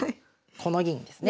この銀ですね。